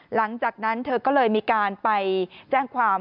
หลังจากนั้นเธอก็เลยมีการไปแจ้งความ